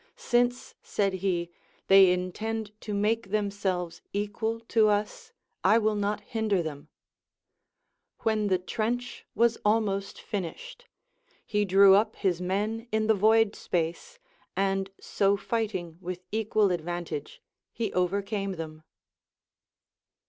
Since, said he, they intend to make them selves equal to us, I will not hinder them. AVlicn the trench was almost finished, he drew up his men in the void space, and so fighting with equal advantage he overcame them.